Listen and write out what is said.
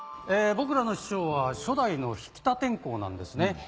僕らの師匠は初代の引田天功なんですね。